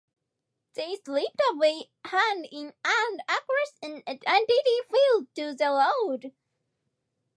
They slipped away hand in hand across an untidy field to the road.